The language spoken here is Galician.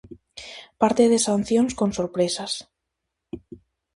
Parte de sancións con sorpresas.